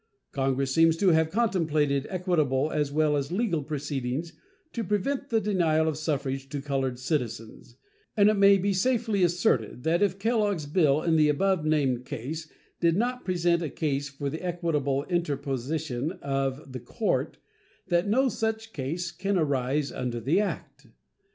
Congress seems to have contemplated equitable as well as legal proceedings to prevent the denial of suffrage to colored citizens; and it may be safely asserted that if Kellogg's bill in the above named case did not present a case for the equitable interposition of the court, that no such case can arise under the act.